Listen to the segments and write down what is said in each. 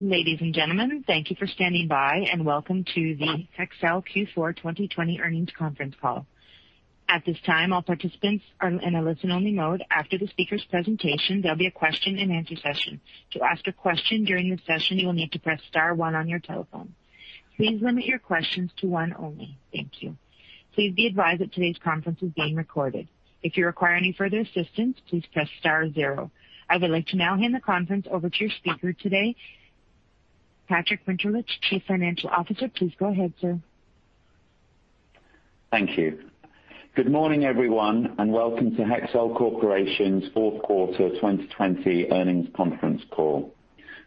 Ladies and gentlemen, thank you for standing by, and welcome to the Hexcel Q4 2020 Earnings Conference Call. At this time, all participants are in a listen-only mode. After the speakers' presentation, there'll be a question-and-answer session. To ask a question during this session, you will need to press star one on your telephone. Please limit your questions to one only. Thank you. Please be advised that today's conference is being recorded. If you require any further assistance, please press star zero. I would like to now hand the conference over to your speaker today, Patrick Winterlich, Chief Financial Officer. Please go ahead, sir. Thank you. Good morning, everyone, and welcome to Hexcel Corporation's Q4 2020 earnings conference call.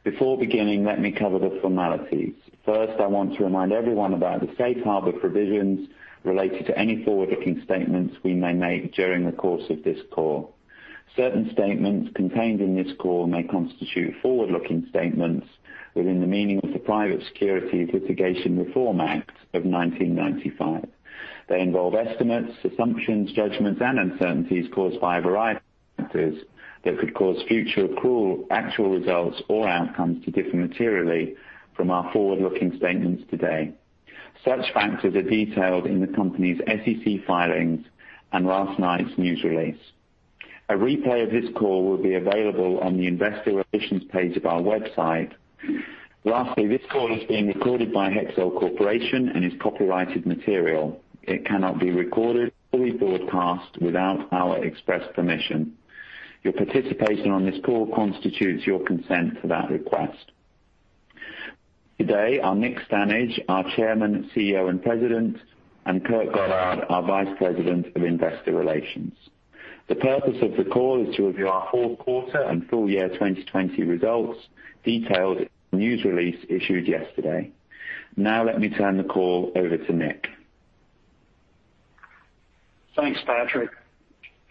Before beginning, let me cover the formalities. First, I want to remind everyone about the safe harbor provisions related to any forward-looking statements we may make during the course of this call. Certain statements contained in this call may constitute forward-looking statements within the meaning of the Private Securities Litigation Reform Act of 1995. They involve estimates, assumptions, judgments, and uncertainties caused by a variety of factors that could cause future actual results or outcomes to differ materially from our forward-looking statements today. Such factors are detailed in the company's SEC filings and last night's news release. A replay of this call will be available on the investor relations page of our website. Lastly, this call is being recorded by Hexcel Corporation and is copyrighted material. It cannot be recorded or rebroadcast without our express permission. Your participation on this call constitutes your consent to that request. Today are Nick Stanage, our Chairman, CEO, and President, and Kurt Goddard, our Vice President of Investor Relations. The purpose of the call is to review our Q4 and full year 2020 results, detailed in the news release issued yesterday. Now let me turn the call over to Nick. Thanks, Patrick.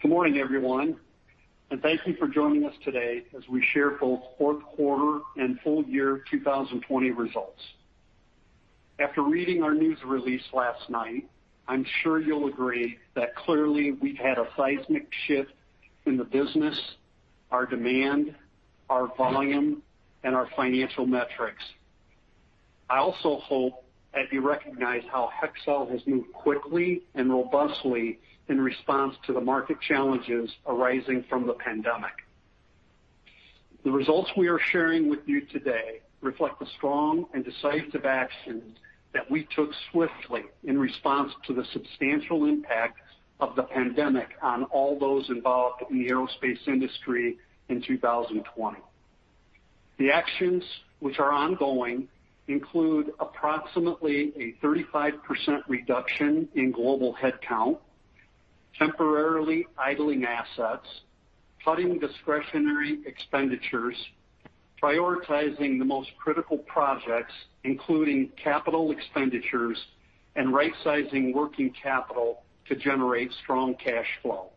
Good morning, everyone, and thank you for joining us today as we share both Q4 and full year 2020 results. After reading our news release last night, I'm sure you'll agree that clearly we've had a seismic shift in the business, our demand, our volume, and our financial metrics. I also hope that you recognize how Hexcel has moved quickly and robustly in response to the market challenges arising from the pandemic. The results we are sharing with you today reflect the strong and decisive actions that we took swiftly in response to the substantial impact of the pandemic on all those involved in the aerospace industry in 2020. The actions, which are ongoing, include approximately a 35% reduction in global headcount, temporarily idling assets, cutting discretionary expenditures, prioritizing the most critical projects, including capital expenditures, and rightsizing working capital to generate strong cash flow.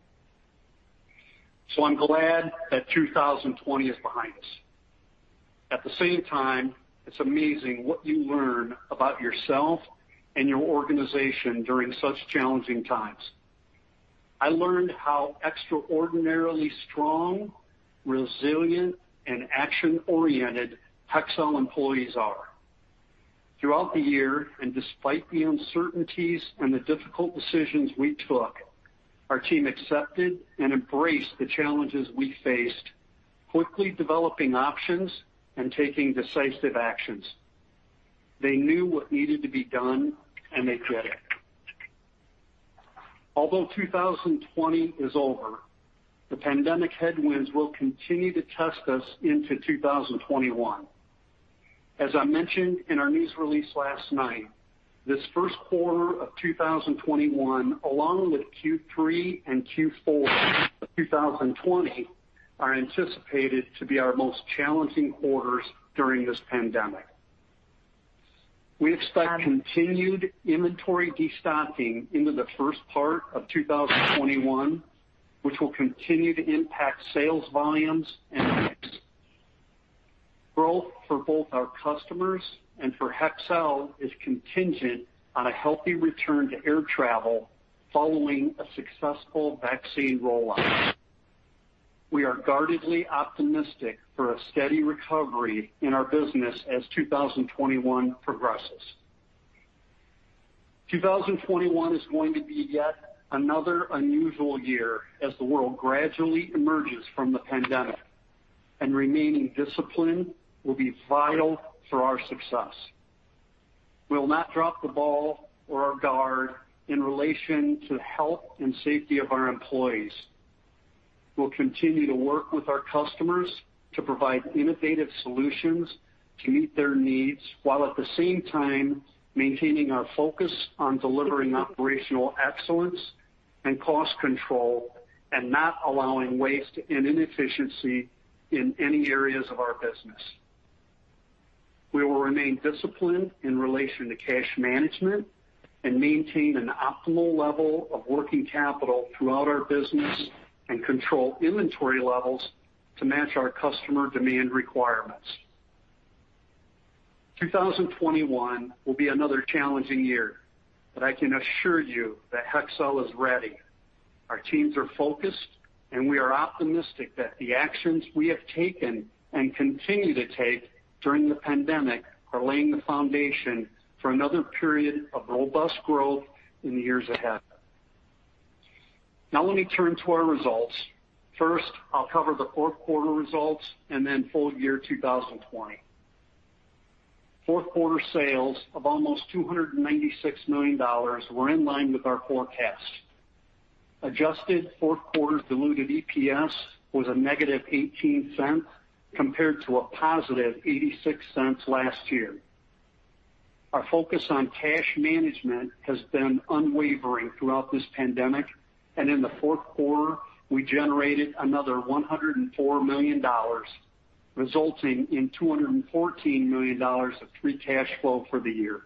I'm glad that 2020 is behind us. At the same time, it's amazing what you learn about yourself and your organization during such challenging times. I learned how extraordinarily strong, resilient, and action-oriented Hexcel employees are. Throughout the year, and despite the uncertainties and the difficult decisions we took, our team accepted and embraced the challenges we faced, quickly developing options and taking decisive actions. They knew what needed to be done, and they did it. Although 2020 is over, the pandemic headwinds will continue to test us into 2021. As I mentioned in our news release last night, this Q1 of 2021, along with Q3 and Q4 of 2020, are anticipated to be our most challenging quarters during this pandemic. We expect continued inventory destocking into the first part of 2021, which will continue to impact sales volumes and mix. Growth for both our customers and for Hexcel is contingent on a healthy return to air travel following a successful vaccine rollout. We are guardedly optimistic for a steady recovery in our business as 2021 progresses. 2021 is going to be yet another unusual year as the world gradually emerges from the pandemic, and remaining disciplined will be vital for our success. We will not drop the ball or our guard in relation to the health and safety of our employees. We'll continue to work with our customers to provide innovative solutions to meet their needs, while at the same time maintaining our focus on delivering operational excellence and cost control and not allowing waste and inefficiency in any areas of our business. We will remain disciplined in relation to cash management and maintain an optimal level of working capital throughout our business and control inventory levels to match our customer demand requirements. 2021 will be another challenging year. I can assure you that Hexcel is ready. Our teams are focused, and we are optimistic that the actions we have taken and continue to take during the pandemic are laying the foundation for another period of robust growth in the years ahead. Now let me turn to our results. First, I'll cover the Q4 results and then full year 2020. Q4 sales of almost $296 million were in line with our forecast. Adjusted Q4 diluted EPS was a negative $0.18 compared to a positive $0.86 last year. Our focus on cash management has been unwavering throughout this pandemic, and in the Q4, we generated another $104 million, resulting in $214 million of free cash flow for the year.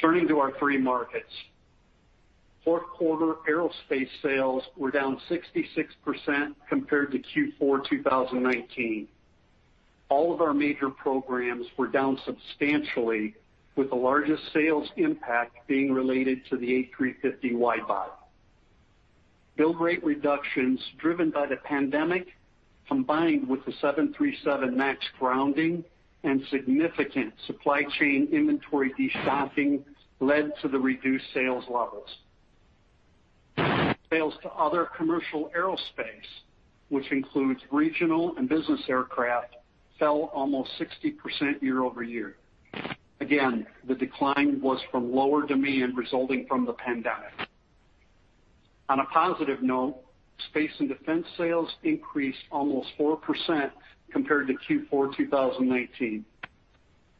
Turning to our three markets. Q4 aerospace sales were down 66% compared to Q4 2019. All of our major programs were down substantially, with the largest sales impact being related to the A350 wide-body. Build rate reductions driven by the pandemic, combined with the 737 MAX grounding and significant supply chain inventory de-stocking, led to the reduced sales levels. Sales to other commercial aerospace, which includes regional and business aircraft, fell almost 60% year-over-year. Again, the decline was from lower demand resulting from the pandemic. On a positive note, space and defense sales increased almost 4% compared to Q4 2019.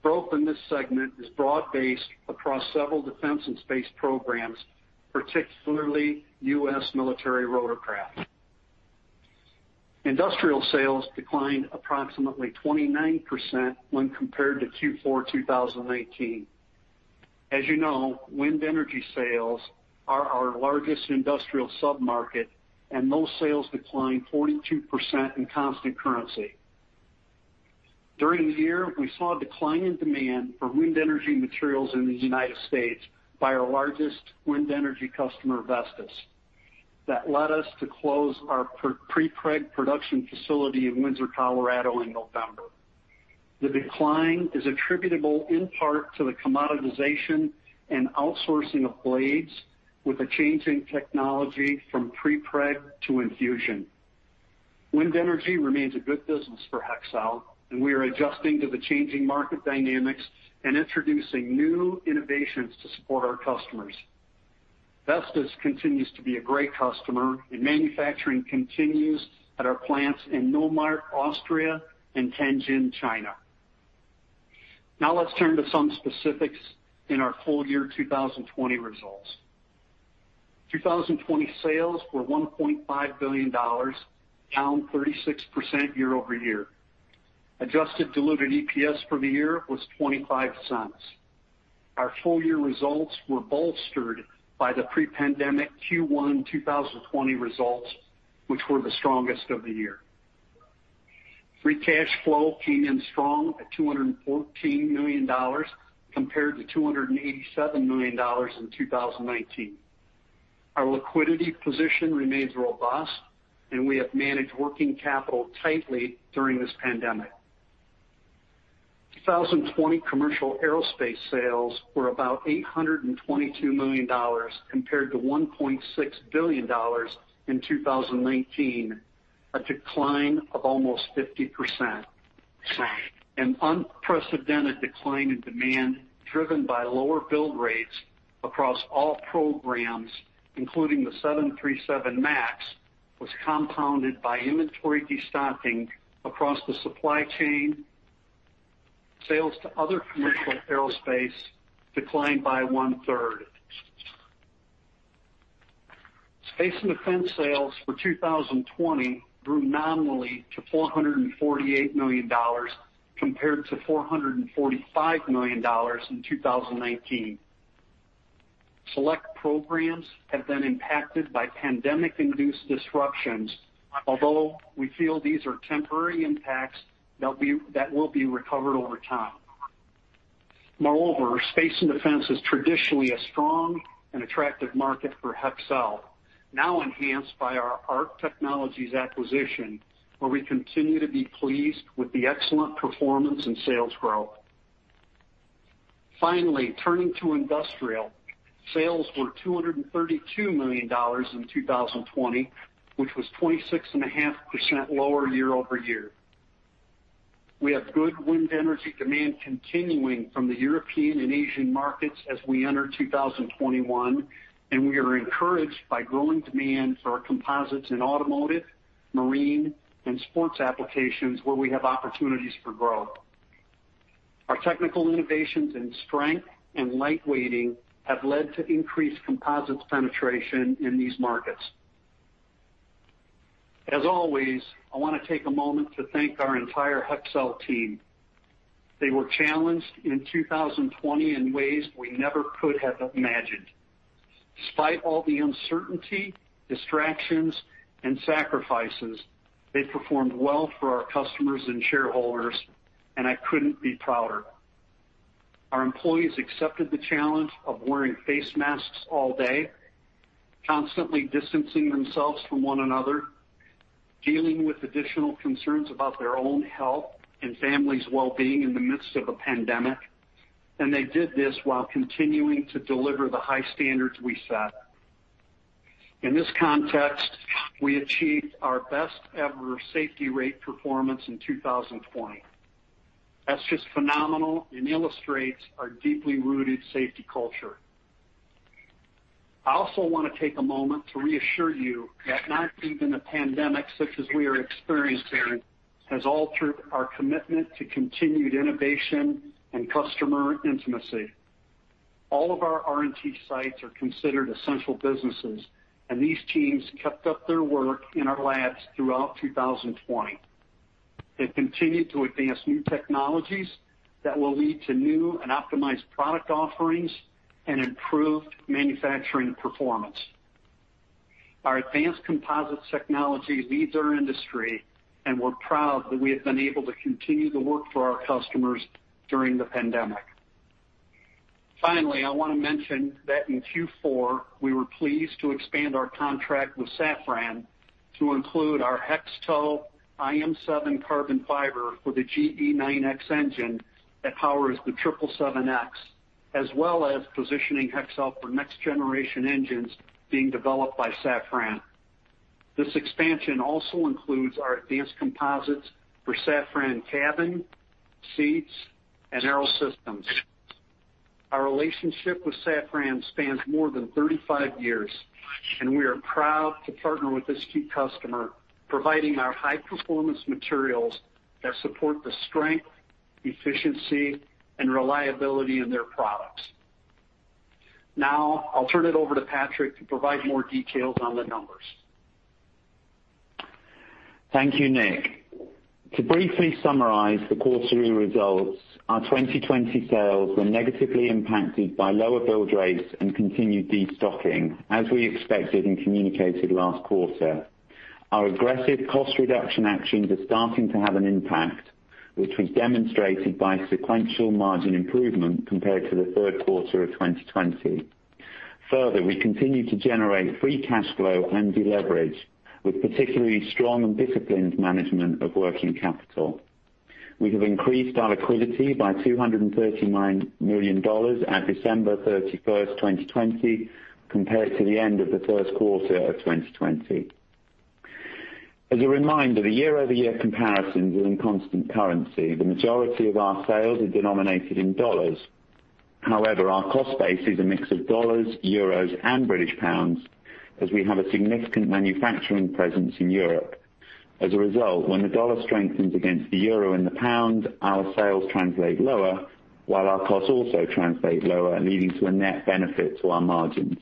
Growth in this segment is broad-based across several defense and space programs, particularly U.S. military rotorcraft. Industrial sales declined approximately 29% when compared to Q4 2019. As you know, wind energy sales are our largest industrial sub-market, those sales declined 42% in constant currency. During the year, we saw a decline in demand for wind energy materials in the United States by our largest wind energy customer, Vestas. Led us to close our prepreg production facility in Windsor, Colorado, in November. The decline is attributable in part to the commoditization and outsourcing of blades with a change in technology from prepreg to infusion. Wind energy remains a good business for Hexcel, we are adjusting to the changing market dynamics and introducing new innovations to support our customers. Vestas continues to be a great customer, manufacturing continues at our plants in Neumarkt, Austria, and Tianjin, China. Now let's turn to some specifics in our full year 2020 results. 2020 sales were $1.5 billion, down 36% year-over-year. Adjusted diluted EPS for the year was $0.25. Our full-year results were bolstered by the pre-pandemic Q1 2020 results, which were the strongest of the year. Free cash flow came in strong at $214 million compared to $287 million in 2019. Our liquidity position remains robust, and we have managed working capital tightly during this pandemic. 2020 commercial aerospace sales were about $822 million compared to $1.6 billion in 2019, a decline of almost 50%. An unprecedented decline in demand driven by lower build rates across all programs, including the 737 MAX, was compounded by inventory de-stocking across the supply chain. Sales to other commercial aerospace declined by one-third. Space and defense sales for 2020 grew nominally to $448 million compared to $445 million in 2019. Select programs have been impacted by pandemic-induced disruptions, although we feel these are temporary impacts that will be recovered over time. Moreover, space and defense is traditionally a strong and attractive market for Hexcel, now enhanced by our ARC Technologies acquisition, where we continue to be pleased with the excellent performance and sales growth. Finally, turning to industrial, sales were $232 million in 2020, which was 26.5% lower year-over-year. We have good wind energy demand continuing from the European and Asian markets as we enter 2021, and we are encouraged by growing demand for our composites in automotive, marine, and sports applications where we have opportunities for growth. Our technical innovations in strength and lightweighting have led to increased composites penetration in these markets. As always, I want to take a moment to thank our entire Hexcel team. They were challenged in 2020 in ways we never could have imagined. Despite all the uncertainty, distractions, and sacrifices, they performed well for our customers and shareholders. I couldn't be prouder. Our employees accepted the challenge of wearing face masks all day, constantly distancing themselves from one another, dealing with additional concerns about their own health and family's well-being in the midst of a pandemic. They did this while continuing to deliver the high standards we set. In this context, we achieved our best-ever safety rate performance in 2020. That's just phenomenal and illustrates our deeply rooted safety culture. I also want to take a moment to reassure you that not even a pandemic such as we are experiencing has altered our commitment to continued innovation and customer intimacy. All of our R&T sites are considered essential businesses, and these teams kept up their work in our labs throughout 2020. They've continued to advance new technologies that will lead to new and optimized product offerings and improved manufacturing performance. Our advanced composites technology leads our industry, and we're proud that we have been able to continue to work for our customers during the pandemic. Finally, I want to mention that in Q4, we were pleased to expand our contract with Safran to include our HexTow IM7 carbon fiber for the GE9X engine that powers the 777X, as well as positioning Hexcel for next-generation engines being developed by Safran. This expansion also includes our advanced composites for Safran Cabin, Seats, and Aerosystems. Our relationship with Safran spans more than 35 years, and we are proud to partner with this key customer, providing our high-performance materials that support the strength, efficiency, and reliability in their products. Now, I'll turn it over to Patrick to provide more details on the numbers. Thank you, Nick. To briefly summarize the quarterly results, our 2020 sales were negatively impacted by lower build rates and continued destocking, as we expected and communicated last quarter. Our aggressive cost reduction actions are starting to have an impact, which was demonstrated by sequential margin improvement compared to the Q3 of 2020. We continue to generate free cash flow and deleverage, with particularly strong and disciplined management of working capital. We have increased our liquidity by $239 million at December 31st, 2020, compared to the end of the Q1 of 2020. As a reminder, the year-over-year comparisons are in constant currency. The majority of our sales are denominated in dollars. Our cost base is a mix of dollars, euros, and British pounds as we have a significant manufacturing presence in Europe. As a result, when the dollar strengthens against the euro and the pound, our sales translate lower, while our costs also translate lower, leading to a net benefit to our margins.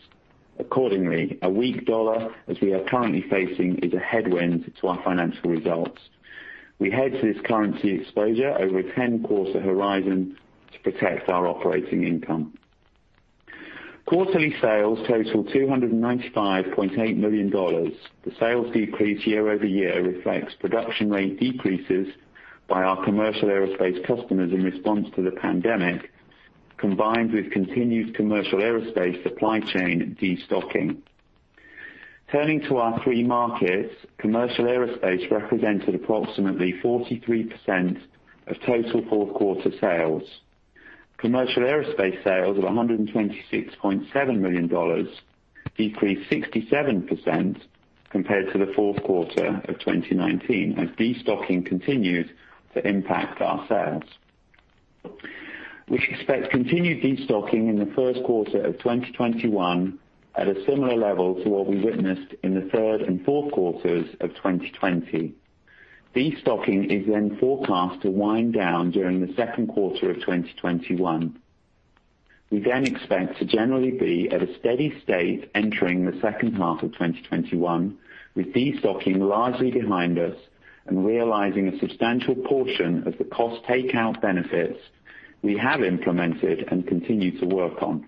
Accordingly, a weak dollar, as we are currently facing, is a headwind to our financial results. We hedge this currency exposure over a 10-quarter horizon to protect our operating income. Quarterly sales totaled $295.8 million. The sales decrease year-over-year reflects production rate decreases by our commercial aerospace customers in response to the pandemic, combined with continued commercial aerospace supply chain destocking. Turning to our three markets, commercial aerospace represented approximately 43% of total Q4 sales. commercial aerospace sales of $126.7 million decreased 67% compared to the Q4 of 2019 as destocking continued to impact our sales. We expect continued destocking in the Q1 of 2021 at a similar level to what we witnessed in the Q3 and Q4 of 2020. Destocking is forecast to wind down during the Q2 of 2021. We then expect to generally be at a steady state entering the H2 of 2021, with destocking largely behind us and realizing a substantial portion of the cost takeout benefits we have implemented and continue to work on.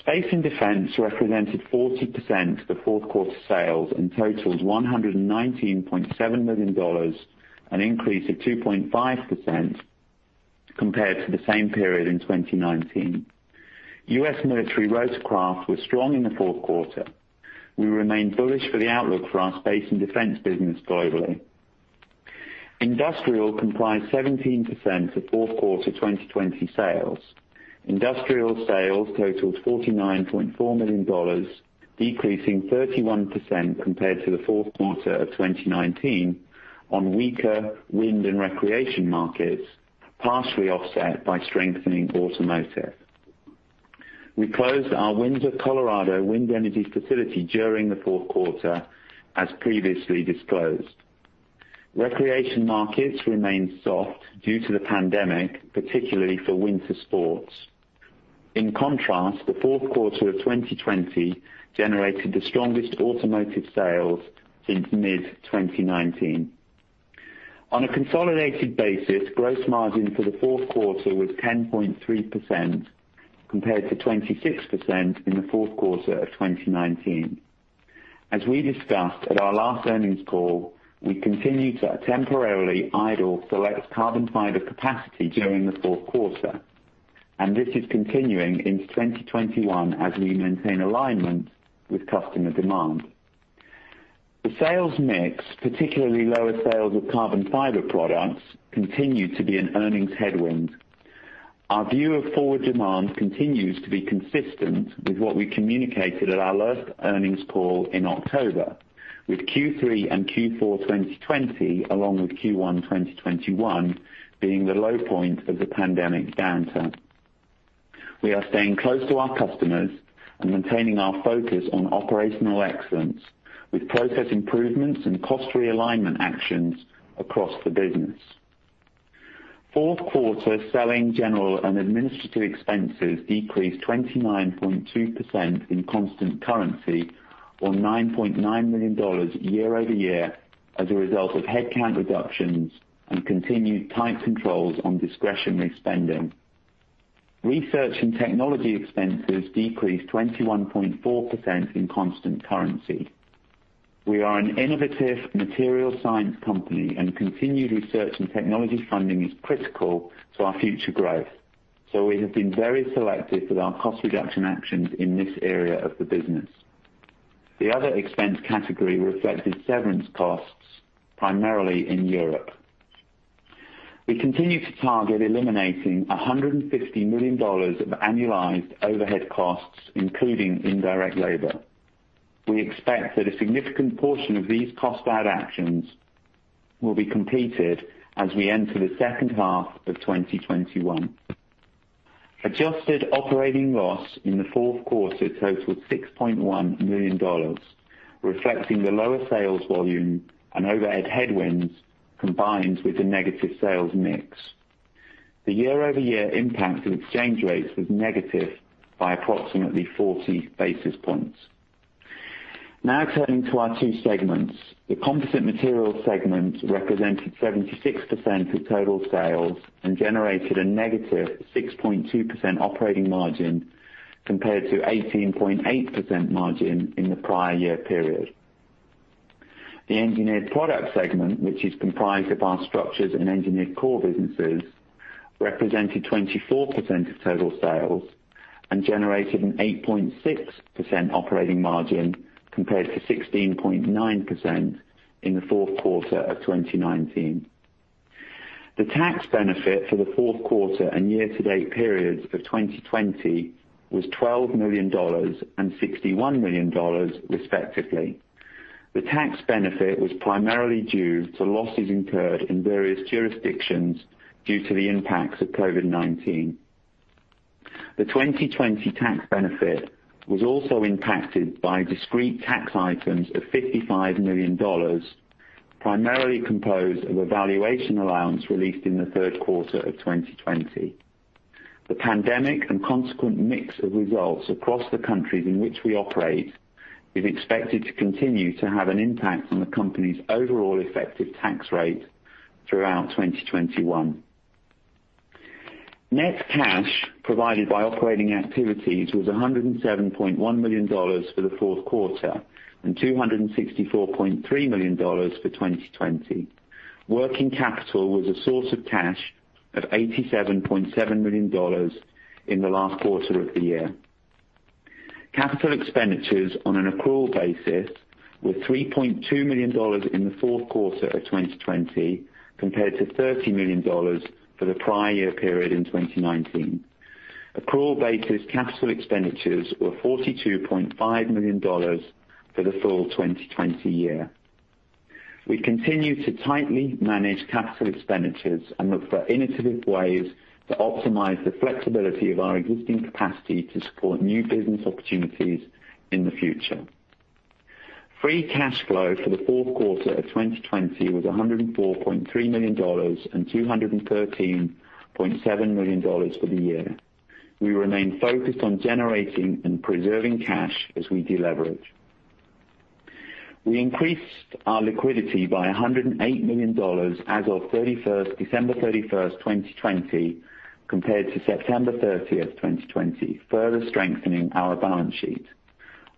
Space and defense represented 40% of the Q4 sales and totaled $119.7 million, an increase of 2.5% compared to the same period in 2019. U.S. military rotorcraft was strong in the Q4. We remain bullish for the outlook for our space and defense business globally. Industrial comprised 17% of Q4 2020 sales. Industrial sales totaled $49.4 million, decreasing 31% compared to the Q4 of 2019 on weaker wind and recreation markets, partially offset by strengthening automotive. We closed our Windsor, Colorado, wind energy facility during the Q4, as previously disclosed. Recreation markets remain soft due to the pandemic, particularly for winter sports. In contrast, the Q4 of 2020 generated the strongest automotive sales since mid-2019. On a consolidated basis, gross margin for the Q4 was 10.3% compared to 26% in the Q4 of 2019. As we discussed at our last earnings call, we continued to temporarily idle select carbon fiber capacity during the Q4, and this is continuing into 2021 as we maintain alignment with customer demand. The sales mix, particularly lower sales of carbon fiber products, continue to be an earnings headwind. Our view of forward demand continues to be consistent with what we communicated at our last earnings call in October, with Q3 and Q4 2020, along with Q1 2021, being the low point of the pandemic downturn. We are staying close to our customers and maintaining our focus on operational excellence, with process improvements and cost realignment actions across the business. Q4 selling, general, and administrative expenses decreased 29.2% in constant currency, or $9.9 million year-over-year as a result of headcount reductions and continued tight controls on discretionary spending. Research and technology expenses decreased 21.4% in constant currency. We are an innovative material science company, and continued research and technology funding is critical to our future growth, so we have been very selective with our cost reduction actions in this area of the business. The other expense category reflected severance costs primarily in Europe. We continue to target eliminating $150 million of annualized overhead costs, including indirect labor. We expect that a significant portion of these cost add actions will be completed as we enter the H2 of 2021. Adjusted operating loss in the Q4 totaled $6.1 million, reflecting the lower sales volume and overhead headwinds, combined with the negative sales mix. The year-over-year impact of exchange rates was negative by approximately 40 basis points. Turning to our two segments. The composite materials segment represented 76% of total sales and generated a negative 6.2% operating margin compared to 18.8% margin in the prior year period. The engineered products segment, which is comprised of our structures and engineered core businesses, represented 24% of total sales and generated an 8.6% operating margin compared to 16.9% in the Q4 of 2019. The tax benefit for the Q4 and year-to-date periods of 2020 was $12 million and $61 million respectively. The tax benefit was primarily due to losses incurred in various jurisdictions due to the impacts of COVID-19. The 2020 tax benefit was also impacted by discrete tax items of $55 million, primarily composed of a valuation allowance released in the Q3 of 2020. The pandemic and consequent mix of results across the countries in which we operate is expected to continue to have an impact on the company's overall effective tax rate throughout 2021. Net cash provided by operating activities was $107.1 million for the Q4 and $264.3 million for 2020. Working capital was a source of cash of $87.7 million in the last quarter of the year. Capital expenditures on an accrual basis were $3.2 million in the Q4 of 2020 compared to $30 million for the prior year period in 2019. Accrual basis capital expenditures were $42.5 million for the full 2020 year. We continue to tightly manage capital expenditures and look for innovative ways to optimize the flexibility of our existing capacity to support new business opportunities in the future. Free cash flow for the Q4 of 2020 was $104.3 million and $213.7 million for the year. We remain focused on generating and preserving cash as we de-leverage. We increased our liquidity by $108 million as of December 31st, 2020, compared to September 30th, 2020, further strengthening our balance sheet.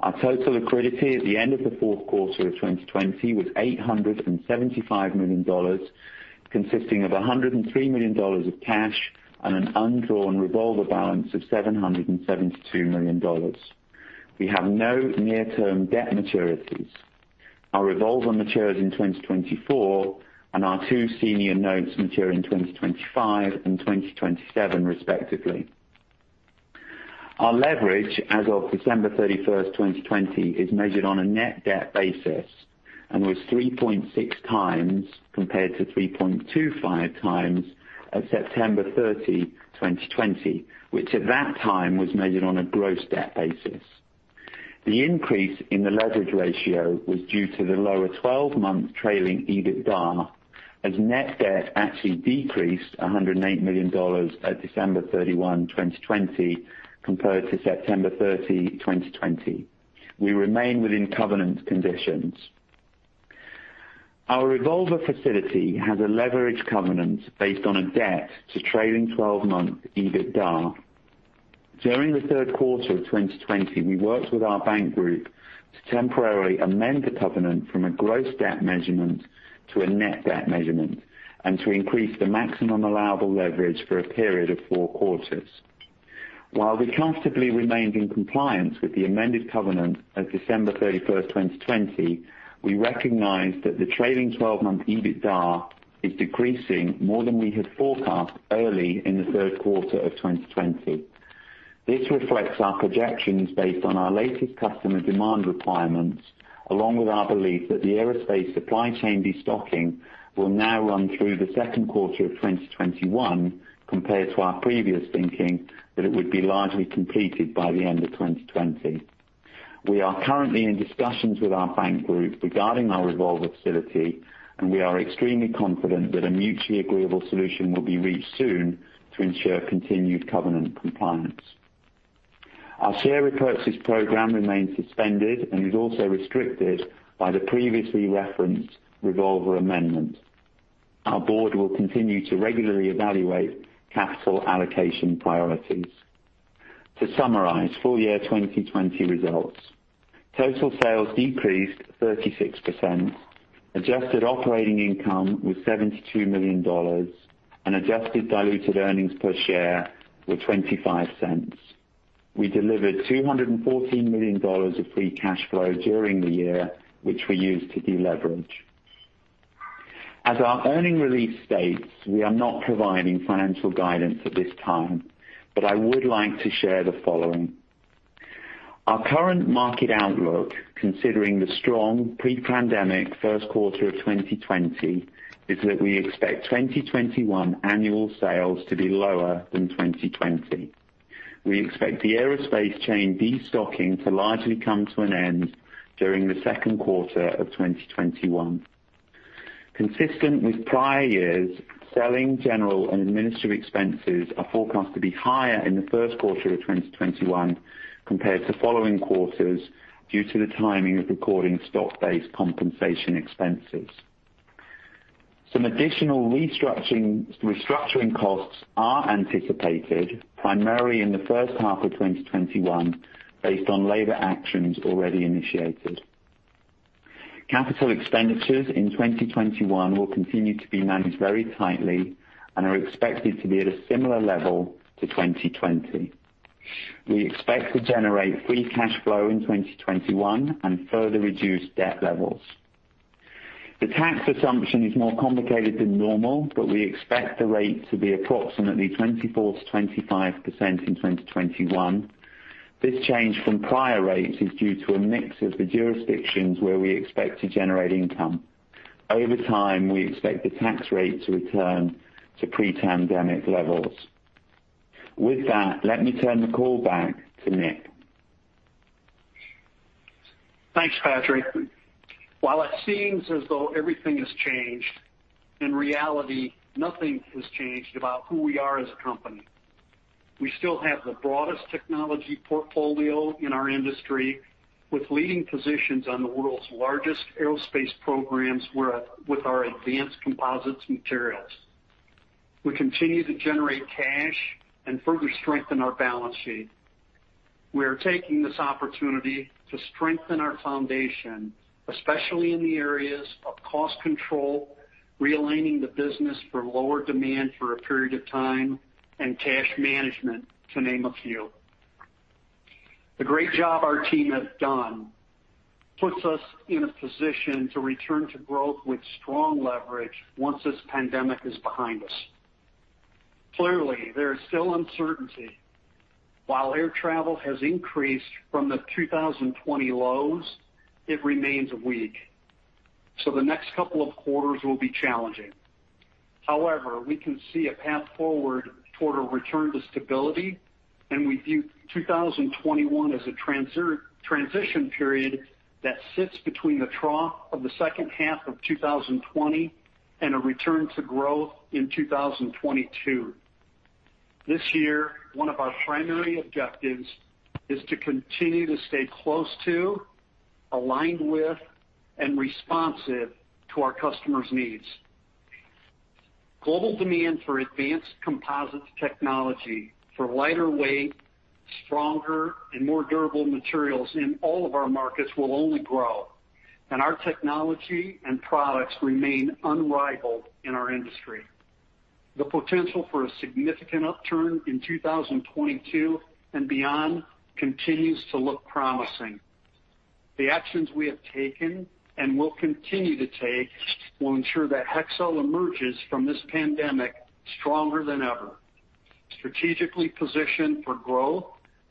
Our total liquidity at the end of the Q4 of 2020 was $875 million, consisting of $103 million of cash and an undrawn revolver balance of $772 million. We have no near-term debt maturities. Our revolver matures in 2024, and our two senior notes mature in 2025 and 2027 respectively. Our leverage as of December 31, 2020, is measured on a net debt basis and was 3.6 times compared to 3.25 times as September 30, 2020, which at that time was measured on a gross debt basis. The increase in the leverage ratio was due to the lower 12-month trailing EBITDA, as net debt actually decreased $108 million at December 31, 2020 compared to September 30, 2020. We remain within covenant conditions. Our revolver facility has a leverage covenant based on a debt to trailing 12 months EBITDA. During the Q3 of 2020, we worked with our bank group to temporarily amend the covenant from a gross debt measurement to a net debt measurement, and to increase the maximum allowable leverage for a period of four quarters. While we comfortably remained in compliance with the amended covenant as of December 31st, 2020, we recognized that the trailing 12-month EBITDA is decreasing more than we had forecast early in the Q3 of 2020. This reflects our projections based on our latest customer demand requirements, along with our belief that the aerospace supply chain de-stocking will now run through the Q2 of 2021, compared to our previous thinking that it would be largely completed by the end of 2020. We are currently in discussions with our bank group regarding our revolver facility, and we are extremely confident that a mutually agreeable solution will be reached soon to ensure continued covenant compliance. Our share repurchase program remains suspended and is also restricted by the previously referenced revolver amendment. Our board will continue to regularly evaluate capital allocation priorities. To summarize, full year 2020 results. Total sales decreased 36%, adjusted operating income was $72 million, and adjusted diluted earnings per share were $0.25. We delivered $214 million of free cash flow during the year, which we used to de-leverage. As our earnings release states, we are not providing financial guidance at this time, but I would like to share the following. Our current market outlook, considering the strong pre-pandemic Q1 of 2020, is that we expect 2021 annual sales to be lower than 2020. We expect the aerospace chain de-stocking to largely come to an end during the Q2 of 2021. Consistent with prior years, selling, general, and administrative expenses are forecast to be higher in the Q1 of 2021 compared to following quarters due to the timing of recording stock-based compensation expenses. Some additional restructuring costs are anticipated primarily in the H1 of 2021, based on labor actions already initiated. Capital expenditures in 2021 will continue to be managed very tightly and are expected to be at a similar level to 2020. We expect to generate free cash flow in 2021 and further reduce debt levels. The tax assumption is more complicated than normal. We expect the rate to be approximately 24%-25% in 2021. This change from prior rates is due to a mix of the jurisdictions where we expect to generate income. Over time, we expect the tax rate to return to pre-pandemic levels. With that, let me turn the call back to Nick. Thanks, Patrick. While it seems as though everything has changed, in reality, nothing has changed about who we are as a company. We still have the broadest technology portfolio in our industry, with leading positions on the world's largest aerospace programs with our advanced composites materials. We continue to generate cash and further strengthen our balance sheet. We are taking this opportunity to strengthen our foundation, especially in the areas of cost control, realigning the business for lower demand for a period of time, and cash management, to name a few. The great job our team has done puts us in a position to return to growth with strong leverage once this pandemic is behind us. Clearly, there is still uncertainty. While air travel has increased from the 2020 lows, it remains weak. The next couple of quarters will be challenging. However, we can see a path forward toward a return to stability, and we view 2021 as a transition period that sits between the trough of the H2 of 2020 and a return to growth in 2022. This year, one of our primary objectives is to continue to stay close to, aligned with, and responsive to our customers' needs. Global demand for advanced composite materials technology for lighter weight, stronger, and more durable materials in all of our markets will only grow, and our technology and products remain unrivaled in our industry. The potential for a significant upturn in 2022 and beyond continues to look promising. The actions we have taken and will continue to take will ensure that Hexcel emerges from this pandemic stronger than ever, strategically positioned for growth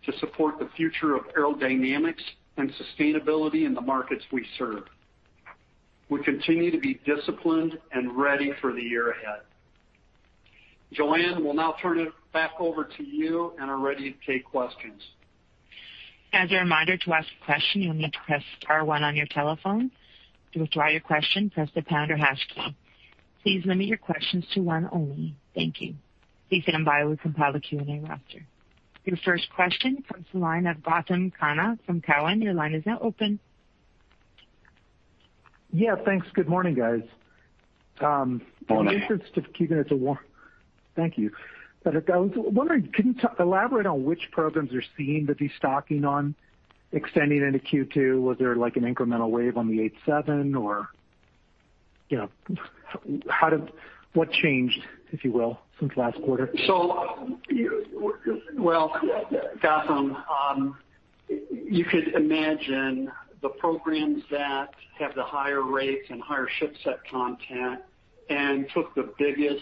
to support the future of aerodynamics and sustainability in the markets we serve. We continue to be disciplined and ready for the year ahead. Joanne, we'll now turn it back over to you and are ready to take questions. As a reminder, to ask a question, you'll need to press star one on your telephone. To withdraw your question, press the pound or hash key. Please limit your questions to one only. Thank you. Please sit on by while we compile the Q&A roster. Your first question comes from the line of Gautam Khanna from Cowen. Your line is now open. Yeah, thanks. Good morning, guys. Morning. Thank you. I was wondering, can you elaborate on which programs you're seeing the de-stocking on extending into Q2? Was there an incremental wave on the A350 or what changed, if you will, since last quarter? Well, Gautam, you could imagine the programs that have the higher rates and higher ship set content and took the biggest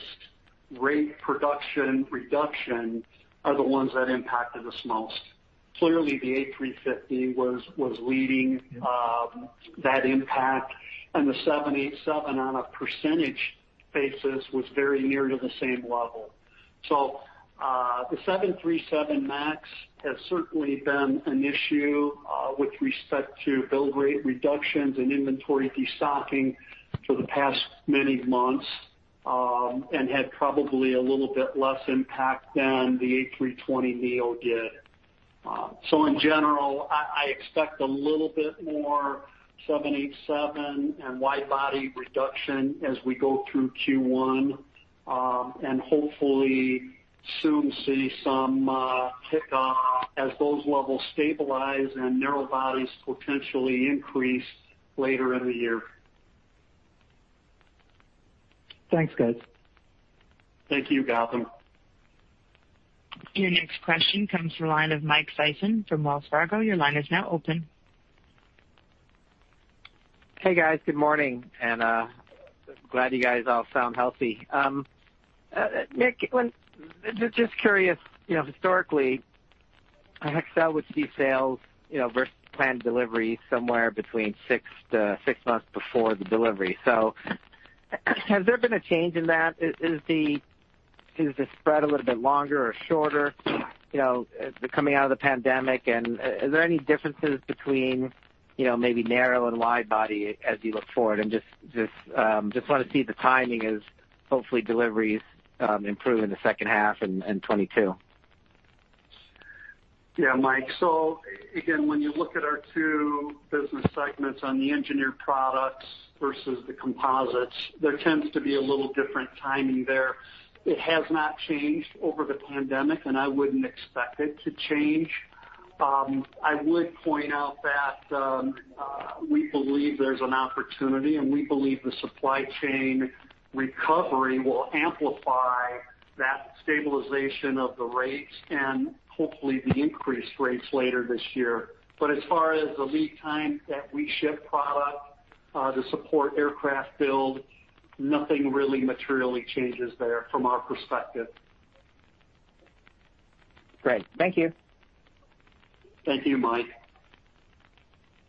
rate production reduction are the ones that impacted us most. Clearly, the A350 was leading that impact, and the 787 on a percentage basis was very near to the same level. The 737 MAX has certainly been an issue, with respect to build rate reductions and inventory de-stocking for the past many months, and had probably a little bit less impact than the A320neo did. In general, I expect a little bit more 787 and wide body reduction as we go through Q1, and hopefully soon see some tick up as those levels stabilize and narrow bodies potentially increase later in the year. Thanks, guys. Thank you, Gautam. Your next question comes from the line of Mike Sison from Wells Fargo. Your line is now open. Hey, guys. Good morning. Glad you guys all sound healthy. Nick, just curious, historically, Hexcel would see sales versus planned delivery somewhere between 6 months before the delivery. Has there been a change in that? Is the spread a little bit longer or shorter coming out of the pandemic? Are there any differences between maybe narrow and wide body as you look forward? Just want to see the timing as hopefully deliveries improve in the H2 in 2022. Yeah, Mike. Again, when you look at our two business segments on the engineered products versus the composites, there tends to be a little different timing there. It has not changed over the pandemic, and I wouldn't expect it to change. I would point out that we believe there's an opportunity, and we believe the supply chain recovery will amplify that stabilization of the rates and hopefully the increased rates later this year. As far as the lead time that we ship product to support aircraft build, nothing really materially changes there from our perspective. Great. Thank you. Thank you, Mike.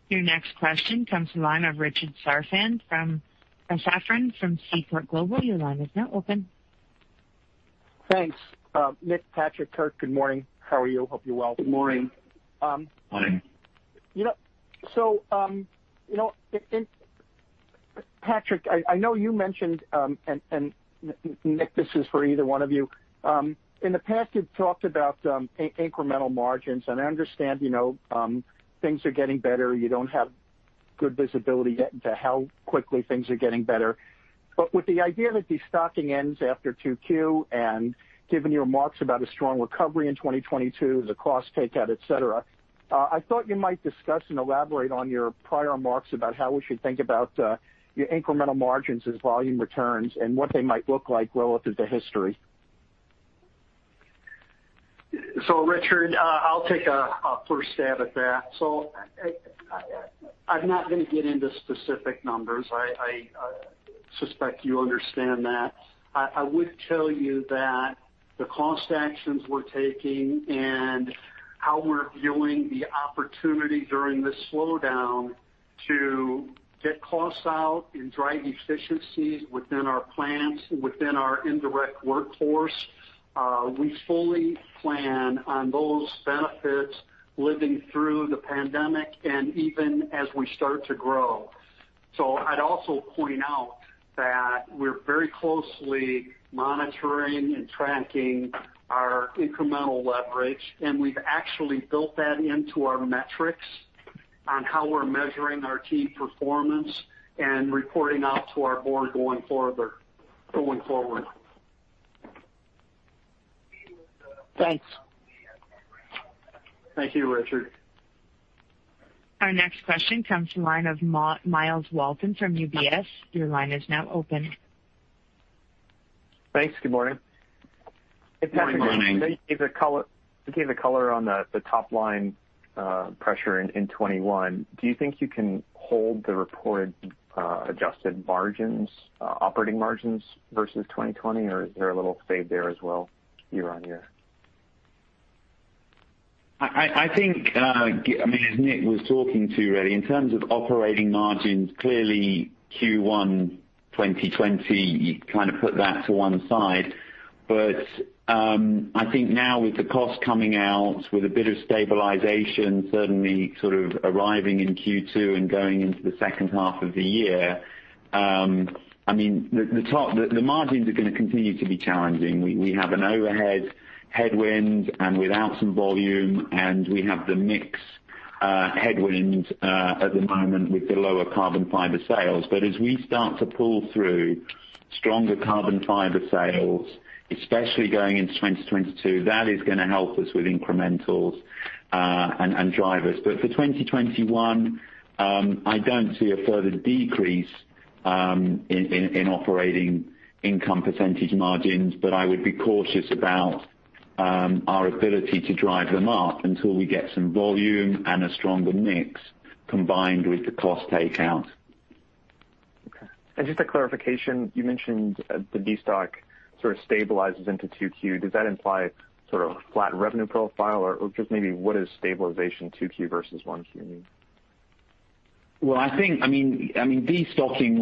Your next question comes from the line of Richard Safran from Seaport Global. Thanks. Nick, Patrick, Kurt, good morning. How are you? Hope you're well. Good morning. Morning. Patrick, I know you mentioned, and Nick, this is for either one of you. In the past, you've talked about incremental margins, and I understand things are getting better. You don't have good visibility yet into how quickly things are getting better. But with the idea that de-stocking ends after Q2 and given your remarks about a strong recovery in 2022, the cost takeout, et cetera, I thought you might discuss and elaborate on your prior remarks about how we should think about your incremental margins as volume returns and what they might look like relative to history. Richard, I'll take a first stab at that. I'm not going to get into specific numbers. I suspect you understand that. I would tell you that the cost actions we're taking and how we're viewing the opportunity during this slowdown to get costs out and drive efficiencies within our plants, within our indirect workforce, we fully plan on those benefits living through the pandemic and even as we start to grow. I'd also point out that we're very closely monitoring and tracking our incremental leverage, and we've actually built that into our metrics on how we're measuring our team performance and reporting out to our board going forward. Thanks. Thank you, Richard. Our next question comes from the line of Myles Walton from UBS. Your line is now open. Thanks. Good morning. Good morning. Morning. If Patrick, you gave the color on the top line pressure in 2021, do you think you can hold the reported adjusted margins, operating margins versus 2020, or is there a little fade there as well year on year? I think, as Nick was talking to, really, in terms of operating margins, clearly Q1 2020, you kind of put that to one side. I think now with the cost coming out, with a bit of stabilization certainly sort of arriving in Q2 and going into the H2 of the year, the margins are going to continue to be challenging. We have an overhead headwind and without some volume, and we have the mix headwind at the moment with the lower carbon fiber sales. As we start to pull through stronger carbon fiber sales, especially going into 2022, that is going to help us with incrementals and drive us. For 2021, I don't see a further decrease in operating income percentage margins, but I would be cautious about our ability to drive them up until we get some volume and a stronger mix combined with the cost takeout. Okay. Just a clarification, you mentioned the destock sort of stabilizes into 2Q. Does that imply sort of a flat revenue profile or just maybe what does stabilization 2Q versus 1Q mean? I think destocking,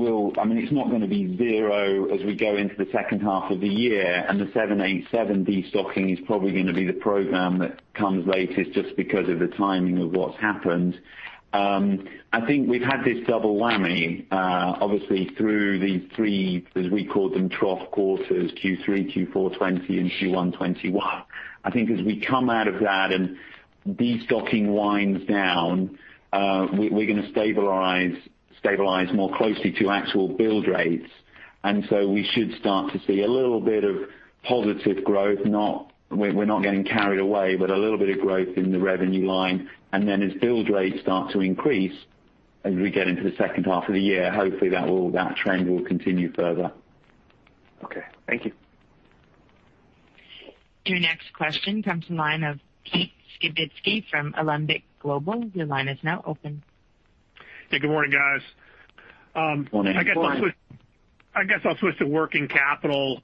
it's not going to be zero as we go into the H2 of the year, and the 787 destocking is probably going to be the program that comes latest just because of the timing of what's happened. I think we've had this double whammy, obviously, through these three, as we call them, trough quarters, Q3, Q4 2020, and Q1 2021. We should start to see a little bit of positive growth, we're not getting carried away, but a little bit of growth in the revenue line. Then as build rates start to increase as we get into the H2 of the year, hopefully that trend will continue further. Okay. Thank you. Your next question comes from the line of Pete Skibitski from Alembic Global. Hey, good morning, guys. Morning. I guess I'll switch to working capital.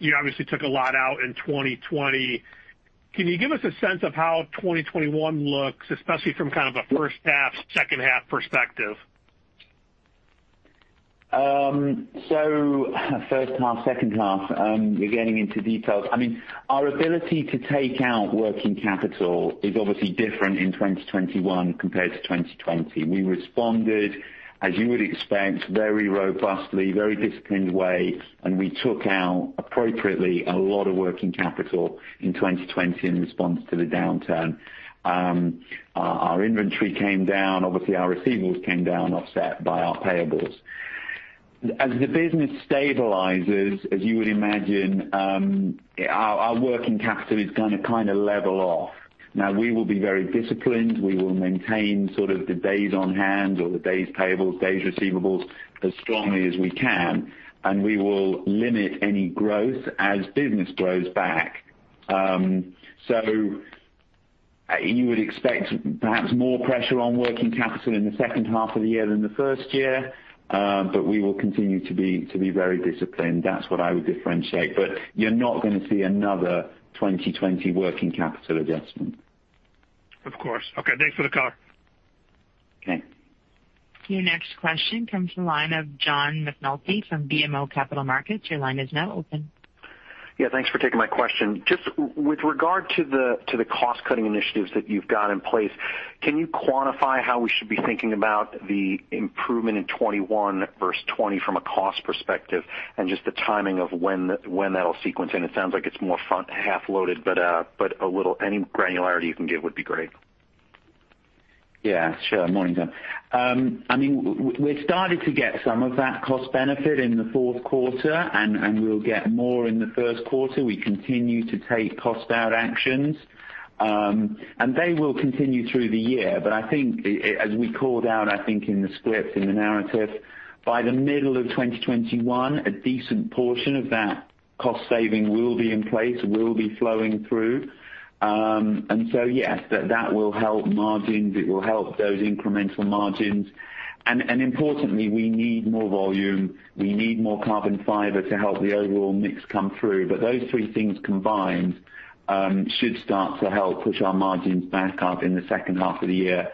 You obviously took a lot out in 2020. Can you give us a sense of how 2021 looks, especially from kind of a H1, H2 perspective? H1, H2, we're getting into details. Our ability to take out working capital is obviously different in 2021 compared to 2020. We responded, as you would expect, very robustly, very disciplined way, and we took out appropriately a lot of working capital in 2020 in response to the downturn. Our inventory came down, obviously our receivables came down, offset by our payables. As the business stabilizes, as you would imagine, our working capital is going to kind of level off. We will be very disciplined. We will maintain sort of the days on hand or the days payables, days receivables as strongly as we can, and we will limit any growth as business grows back. You would expect perhaps more pressure on working capital in the H2 of the year than the first year, but we will continue to be very disciplined. That's what I would differentiate. You're not going to see another 2020 working capital adjustment. Of course. Okay, thanks for the call. Okay. Your next question comes from the line of John McNulty from BMO Capital Markets. Your line is now open. Yeah, thanks for taking my question. Just with regard to the cost-cutting initiatives that you've got in place, can you quantify how we should be thinking about the improvement in 2021 versus 2020 from a cost perspective and just the timing of when that'll sequence in? It sounds like it's more front half loaded, but any granularity you can give would be great. Yeah, sure. Morning, John. We started to get some of that cost benefit in the Q4, and we'll get more in the Q1. We continue to take cost out actions. They will continue through the year. I think as we called out, I think in the script, in the narrative, by the middle of 2021, a decent portion of that cost saving will be in place, will be flowing through. Yes, that will help margins. It will help those incremental margins. Importantly, we need more volume. We need more carbon fiber to help the overall mix come through. Those three things combined should start to help push our margins back up in the H2 of the year,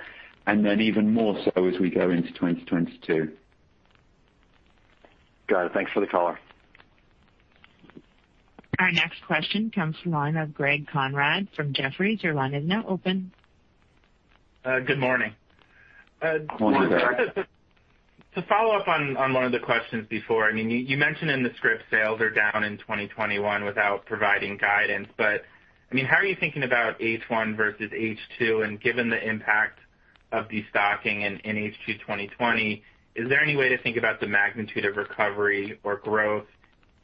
and then even more so as we go into 2022. Got it. Thanks for the color. Our next question comes from the line of Greg Konrad from Jefferies. Your line is now open. Good morning. Morning, Greg. To follow up on one of the questions before, you mentioned in the script sales are down in 2021 without providing guidance. How are you thinking about H1 versus H2? Given the impact of destocking in H2 2020, is there any way to think about the magnitude of recovery or growth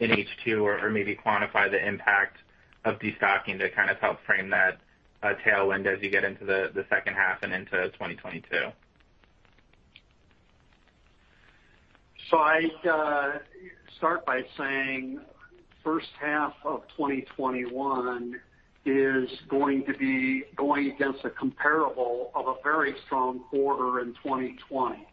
in H2? Maybe quantify the impact of destocking to kind of help frame that tailwind as you get into the H2 and into 2022? I'd start by saying H1 of 2021 is going to be going against a comparable of a very strong quarter in 2020.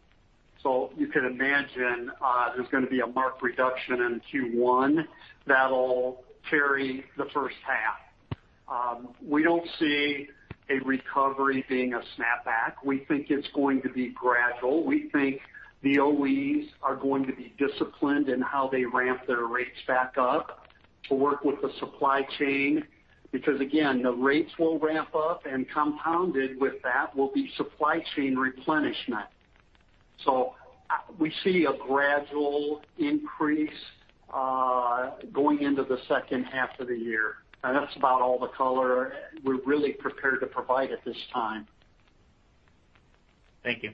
You can imagine there's going to be a marked reduction in Q1 that'll carry the H1. We don't see a recovery being a snapback. We think it's going to be gradual. We think the OEMs are going to be disciplined in how they ramp their rates back up to work with the supply chain, because again, the rates will ramp up and compounded with that will be supply chain replenishment. We see a gradual increase going into the H2 of the year. That's about all the color we're really prepared to provide at this time. Thank you.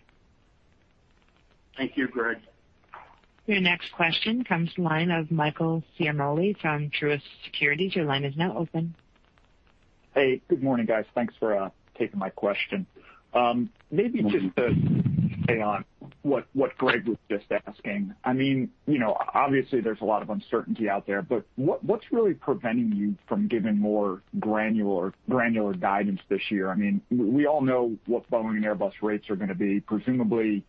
Thank you, Greg. Your next question comes to line of Michael Ciarmoli from Truist Securities. Hey, good morning, guys. Thanks for taking my question. Maybe just to stay on what Greg was just asking. Obviously, there's a lot of uncertainty out there, but what's really preventing you from giving more granular guidance this year? We all know what Boeing and Airbus rates are going to be. Presumably,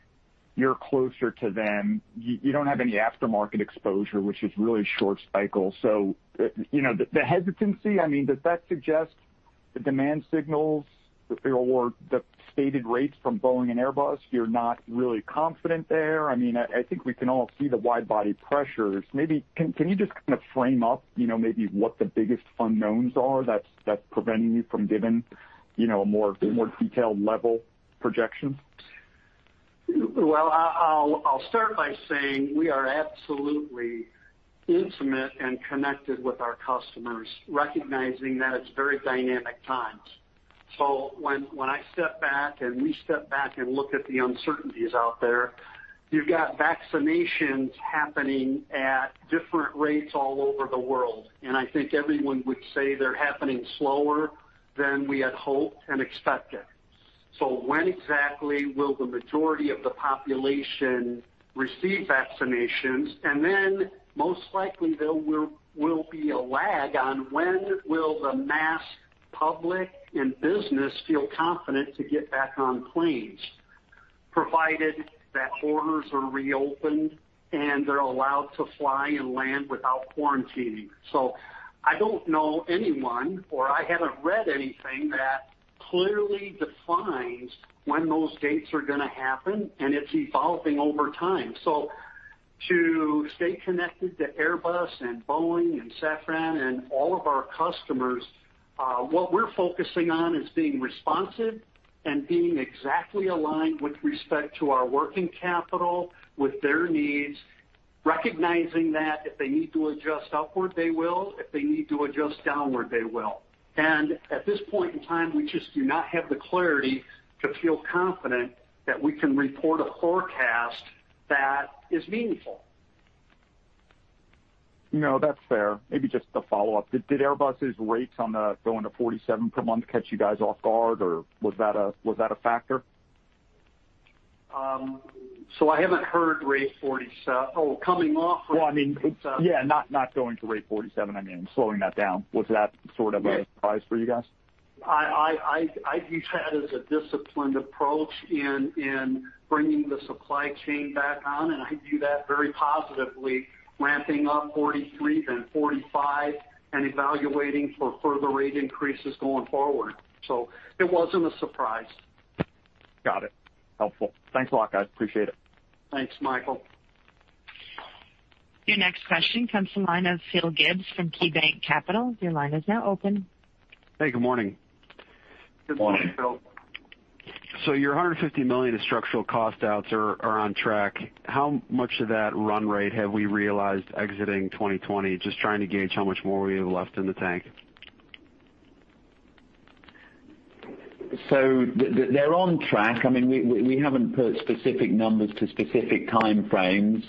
you're closer to them. You don't have any aftermarket exposure, which is really short cycle. The hesitancy, does that suggest the demand signals or the stated rates from Boeing and Airbus, you're not really confident there? I think we can all see the wide body pressures. Maybe can you just kind of frame up maybe what the biggest unknowns are that's preventing you from giving a more detailed level projection? Well, I'll start by saying we are absolutely intimate and connected with our customers, recognizing that it's very dynamic times. When I step back, and we step back and look at the uncertainties out there, you've got vaccinations happening at different rates all over the world, and I think everyone would say they're happening slower than we had hoped and expected. When exactly will the majority of the population receive vaccinations? Then most likely, there will be a lag on when will the mass public and business feel confident to get back on planes, provided that borders are reopened and they're allowed to fly and land without quarantining. I don't know anyone, or I haven't read anything that clearly defines when those dates are going to happen, and it's evolving over time. To stay connected to Airbus and Boeing and Safran and all of our customers, what we're focusing on is being responsive and being exactly aligned with respect to our working capital, with their needs, recognizing that if they need to adjust upward, they will. If they need to adjust downward, they will. At this point in time, we just do not have the clarity to feel confident that we can report a forecast that is meaningful. No, that's fair. Maybe just to follow up. Did Airbus' rates on the going to 47 per month catch you guys off guard, or was that a factor? I haven't heard rate 47. Well, I mean, yeah, not going to rate 47. I mean, slowing that down. Was that sort of a surprise for you guys? I view that as a disciplined approach in bringing the supply chain back on, and I view that very positively, ramping up 43, then 45, and evaluating for further rate increases going forward. It wasn't a surprise. Got it. Helpful. Thanks a lot, guys. Appreciate it. Thanks, Michael. Your next question comes from the line of Phil Gibbs from KeyBanc Capital. Your line is now open. Hey, good morning. Good morning, Phil. Your $150 million of structural cost outs are on track. How much of that run rate have we realized exiting 2020? Just trying to gauge how much more we have left in the tank. They're on track. We haven't put specific numbers to specific time frames.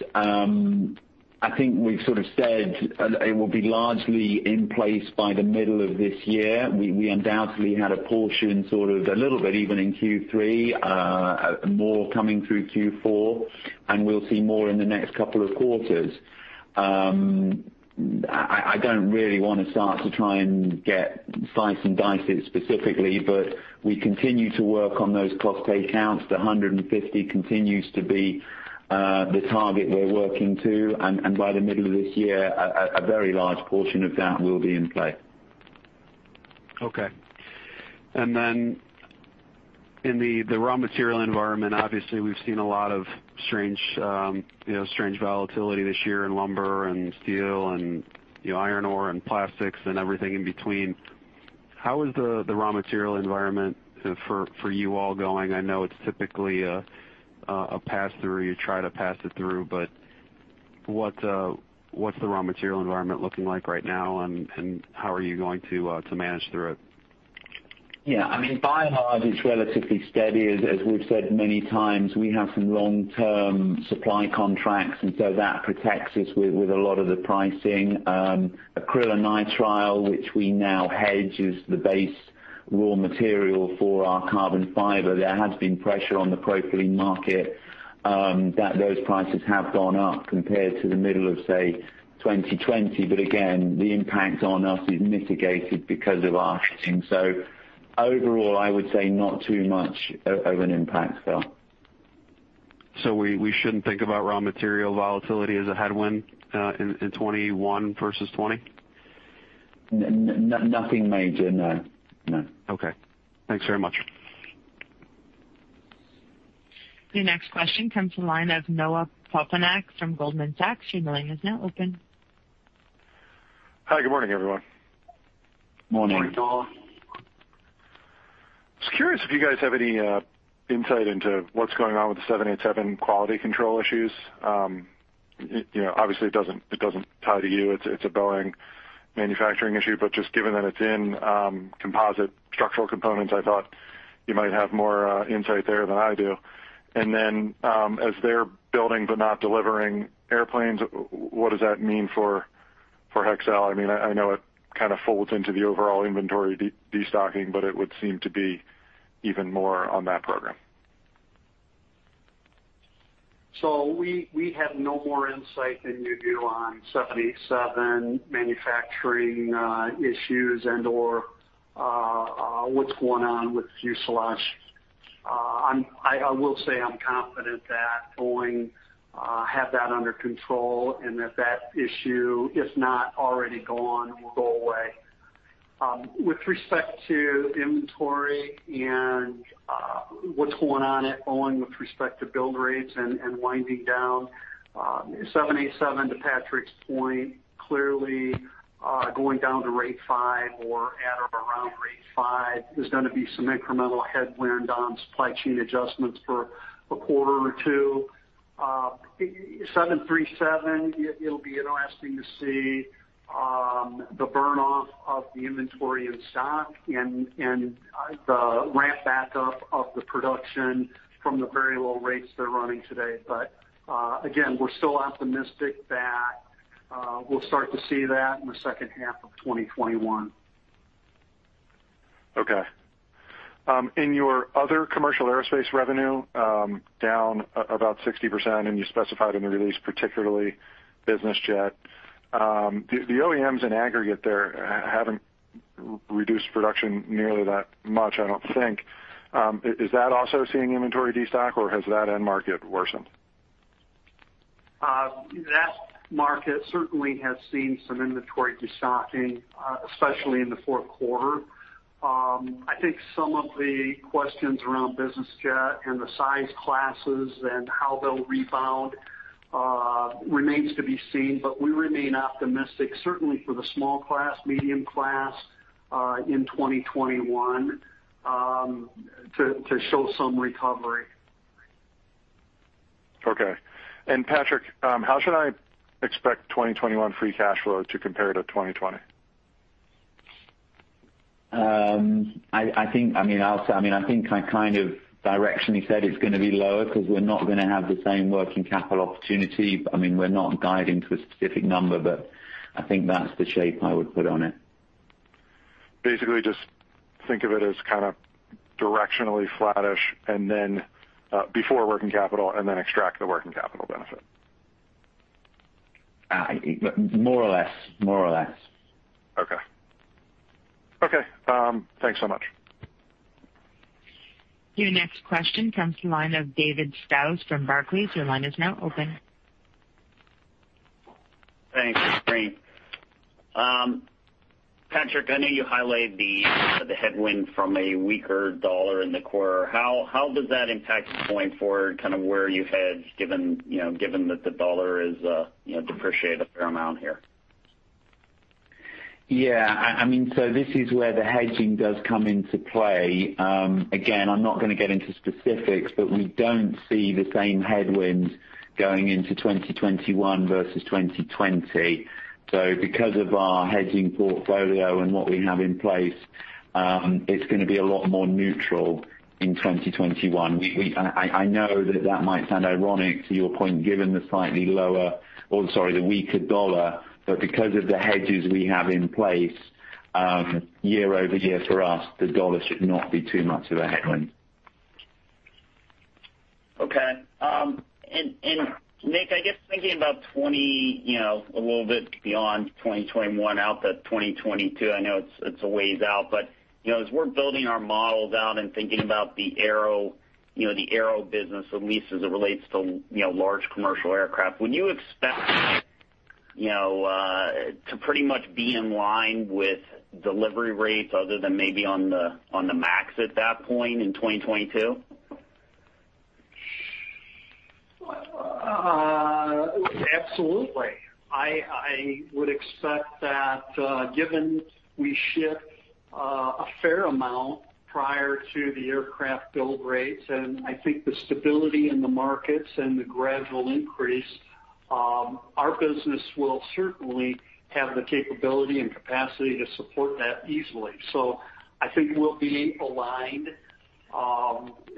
I think we've sort of said it will be largely in place by the middle of this year. We undoubtedly had a portion sort of a little bit even in Q3, more coming through Q4, and we'll see more in the next couple of quarters. I don't really want to start to try and slice and dice it specifically, but we continue to work on those cost take counts. The $150 continues to be the target we're working to, and by the middle of this year, a very large portion of that will be in play. Okay. In the raw material environment, obviously, we've seen a lot of strange volatility this year in lumber and steel and iron ore and plastics and everything in between. How is the raw material environment for you all going? I know it's typically a pass-through. You try to pass it through, but what's the raw material environment looking like right now, and how are you going to manage through it? Yeah. By and large, it's relatively steady. As we've said many times, we have some long-term supply contracts, that protects us with a lot of the pricing. Acrylonitrile, which we now hedge, is the base raw material for our carbon fiber. There has been pressure on the propylene market, that those prices have gone up compared to the middle of, say, 2020. Again, the impact on us is mitigated because of our hedging. Overall, I would say not too much of an impact, Phil. We shouldn't think about raw material volatility as a headwind in 2021 versus 2020? Nothing major, no. Okay. Thanks very much. Your next question comes from the line of Noah Poponak from Goldman Sachs. Hi, good morning, everyone. Morning. Morning, Noah. Just curious if you guys have any insight into what's going on with the 787 quality control issues. Obviously, it doesn't tie to you, it's a Boeing manufacturing issue, but just given that it's in composite structural components, I thought you might have more insight there than I do. Then, as they're building but not delivering airplanes, what does that mean for Hexcel? I know it kind of folds into the overall inventory destocking, but it would seem to be even more on that program. We have no more insight than you do on 787 manufacturing issues and/or what's going on with fuselage. I will say I'm confident that Boeing have that under control and that that issue, if not already gone, will go away. With respect to inventory and what's going on at Boeing with respect to build rates and winding down 787, to Patrick's point, clearly, going down to rate five or at or around rate five is going to be some incremental headwind on supply chain adjustments for a quarter or two. 737, it'll be interesting to see the burn-off of the inventory in stock and the ramp back up of the production from the very low rates they're running today. Again, we're still optimistic that we'll start to see that in the H2 of 2021. Okay. In your other commercial aerospace revenue, down about 60%, and you specified in the release particularly business jet. The OEMs in aggregate there haven't reduced production nearly that much, I don't think. Is that also seeing inventory destock, or has that end market worsened? That market certainly has seen some inventory destocking, especially in the Q4. I think some of the questions around business jet and the size classes and how they'll rebound remains to be seen, but we remain optimistic, certainly for the small class, medium class, in 2021, to show some recovery. Okay. Patrick, how should I expect 2021 free cash flow to compare to 2020? I think I kind of directionally said it's going to be lower because we're not going to have the same working capital opportunity. We're not guiding to a specific number, but I think that's the shape I would put on it. Basically just think of it as kind of directionally flattish before working capital, and then extract the working capital benefit. More or less. Okay. Thanks so much. Your next question comes from the line of David Strauss from Barclays. Your line is now open. Thanks. Patrick, I know you highlighted the headwind from a weaker dollar in the quarter. How does that impact going forward, kind of where you hedge, given that the dollar has depreciated a fair amount here? Yeah. This is where the hedging does come into play. Again, I'm not going to get into specifics, but we don't see the same headwinds going into 2021 versus 2020. Because of our hedging portfolio and what we have in place, it's going to be a lot more neutral in 2021. I know that that might sound ironic to your point, given the weaker dollar. Because of the hedges we have in place, year-over-year for us, the dollar should not be too much of a headwind. Okay. Nick, I guess thinking about a little bit beyond 2021 out to 2022, I know it's a ways out, but as we're building our models out and thinking about the aero business, at least as it relates to large commercial aircraft, would you expect to pretty much be in line with delivery rates other than maybe on the MAX at that point in 2022? Absolutely. I would expect that, given we ship a fair amount prior to the aircraft build rates, and I think the stability in the markets and the gradual increase, our business will certainly have the capability and capacity to support that easily. I think we'll be aligned.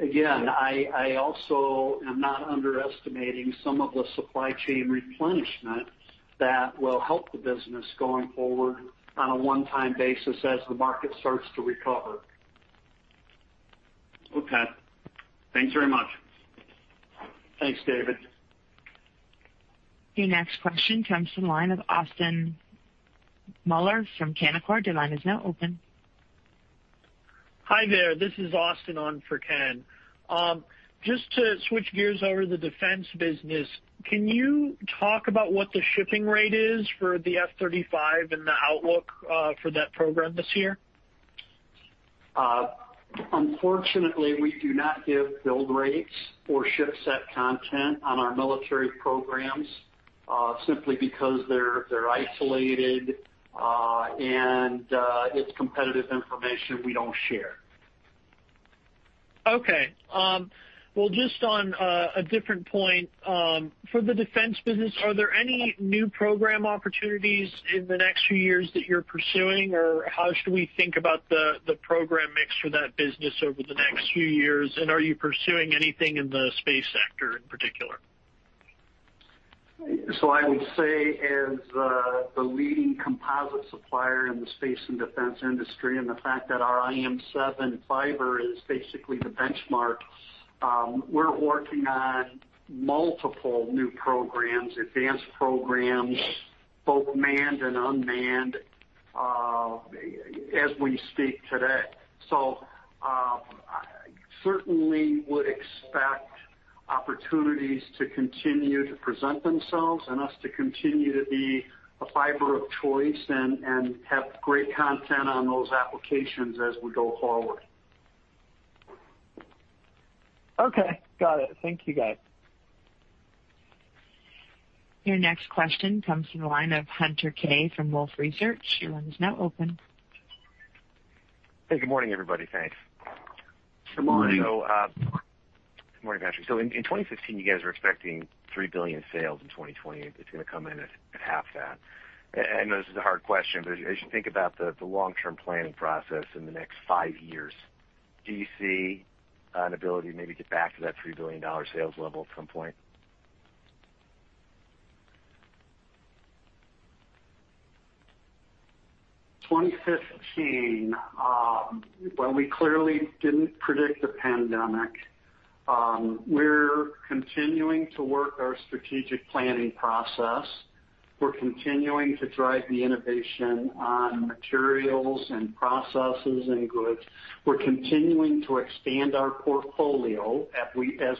Again, I also am not underestimating some of the supply chain replenishment that will help the business going forward on a one-time basis as the market starts to recover. Okay. Thanks very much. Thanks, David. Your next question comes from the line of Austin Moeller from Canaccord. Hi there. This is Austin on for Ken. Just to switch gears over to the defense business, can you talk about what the shipping rate is for the F-35 and the outlook for that program this year? Unfortunately, we do not give build rates or ship-set content on our military programs, simply because they're isolated, and it's competitive information we don't share. Okay. Well, just on a different point, for the defense business, are there any new program opportunities in the next few years that you're pursuing? Or how should we think about the program mix for that business over the next few years? And are you pursuing anything in the space sector in particular? I would say, as the leading composite supplier in the space and defense industry, and the fact that our IM7 fiber is basically the benchmark, we're working on multiple new programs, advanced programs, both manned and unmanned, as we speak today. I certainly would expect opportunities to continue to present themselves and us to continue to be a fiber of choice and have great content on those applications as we go forward. Okay. Got it. Thank you, guys. Your next question comes from the line of Hunter Keay from Wolfe Research. Your line is now open. Hey, good morning, everybody. Thanks. Good morning. Good morning, Patrick. In 2015, you guys were expecting $3 billion sales. In 2020, it's going to come in at half that. I know this is a hard question, but as you think about the long-term planning process in the next five years, do you see an ability to maybe get back to that $3 billion sales level at some point? 2015, well, we clearly didn't predict the pandemic. We're continuing to work our strategic planning process. We're continuing to drive the innovation on materials and processes and goods. We're continuing to expand our portfolio as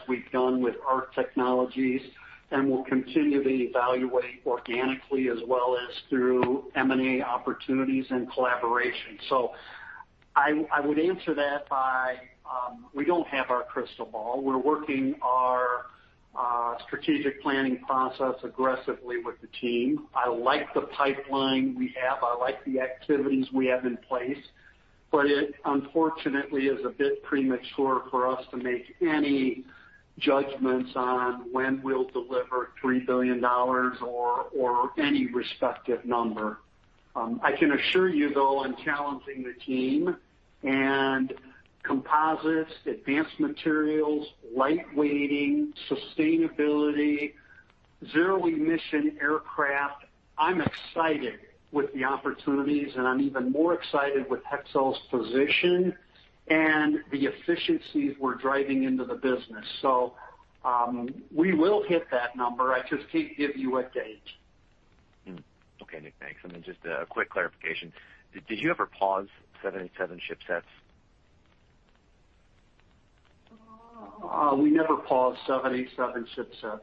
we've done with ARC Technologies, and we'll continue to evaluate organically as well as through M&A opportunities and collaboration. I would answer that by, we don't have our crystal ball. We're working our strategic planning process aggressively with the team. I like the pipeline we have. I like the activities we have in place. It unfortunately is a bit premature for us to make any judgments on when we'll deliver $3 billion or any respective number. I can assure you, though, I'm challenging the team and composites, advanced materials, lightweighting, sustainability, zero-emission aircraft. I'm excited with the opportunities, and I'm even more excited with Hexcel's position and the efficiencies we're driving into the business. We will hit that number. I just can't give you a date. Okay, Nick, thanks. Just a quick clarification. Did you ever pause 787 ship-sets? We never paused 787 ship-sets.